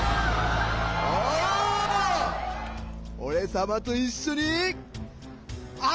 おれさまといっしょにあそぼうぜ！